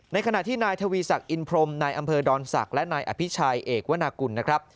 ขณะที่นายทวีศักดิอินพรมนายอำเภอดอนศักดิ์และนายอภิชัยเอกวนากุลนะครับ